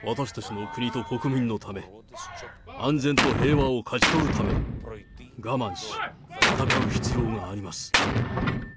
私たちの国と国民のため、安全と平和を勝ち取るため、我慢し、戦う必要があります。